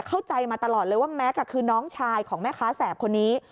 เข้าใจมาตลอดเลยว่าแม็กซ์คือน้องชายของแม่ค้าแสบคนนี้